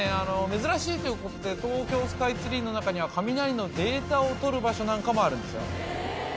珍しいということで東京スカイツリーの中には雷のデータをとる場所なんかもあるんですよ